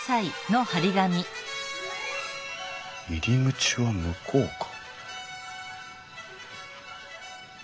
入り口は向こうか。